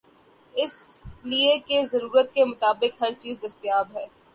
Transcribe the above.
اس لئے کہ ضرورت کے مطابق ہرچیز دستیاب ہے۔